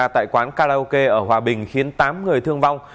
tại quán karaoke ở hòa bình khiến tám người thương vong